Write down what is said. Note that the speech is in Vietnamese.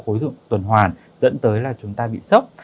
nhiều khối thuận tuần hoàn dẫn tới là chúng ta bị sốc